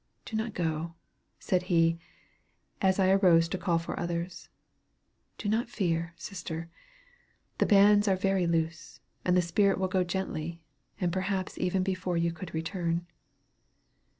Do not go," said he, as I arose to call for others. "Do not fear, sister. The bands are very loose, and the spirit will go gently, and perhaps even before you could return."